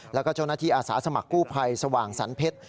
แล้วก็เจ้าหน้าที่อาสาสมัครกู้ภัยสว่างสรรเพชร